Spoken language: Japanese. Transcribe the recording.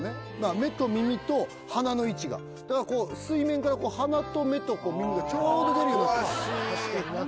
目と耳と鼻の位置がだからこう水面から鼻と目と耳がちょうど出るようになってる詳しい！